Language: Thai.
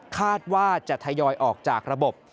คาดว่าจะทยอยออกจากระบบ